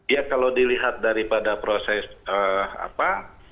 ya kalau dilihat daripada proses apa